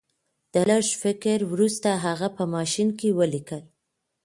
د لږ فکر وروسته هغه په ماشین کې ولیکل